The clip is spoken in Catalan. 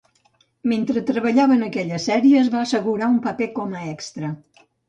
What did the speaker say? Mentre treballava en aquella sèrie, es va assegurar un paper com a extra.